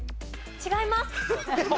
違います。